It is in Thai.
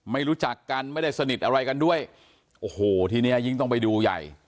ไม่รู้จักกันไม่ได้สนิทอะไรกันด้วยโอ้โหทีเนี้ยยิ่งต้องไปดูใหญ่